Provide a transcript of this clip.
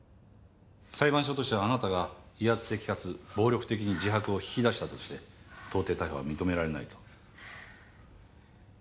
裁判所としてはあなたが威圧的かつ暴力的に自白を引き出したとして到底逮捕は認められないと。